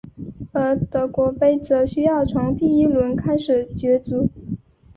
而德国杯则需要从第一轮开始角逐。